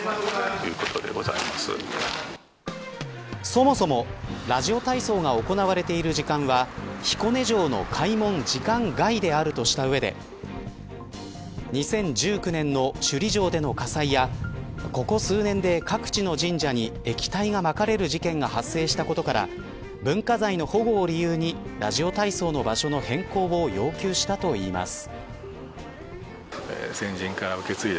そもそも、ラジオ体操が行われている時間は彦根城の開門時間外であるとした上で２０１９年の首里城での火災やここ数年で各地の神社に液体がまかれる事件が発生したことから文化財の保護を理由にラジオ体操の場所の変更を要求したといいます。